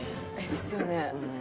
ですよね！